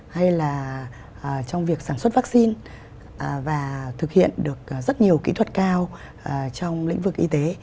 hay là trong việc sản xuất vaccine và thực hiện được rất nhiều kỹ thuật cao trong lĩnh vực y tế